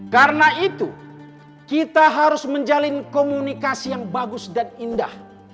karena itu kita harus menjalin komunikasi yang bagus dan indah